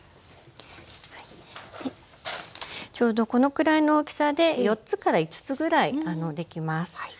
ちょうどこのくらいの大きさで４つから５つぐらいできます。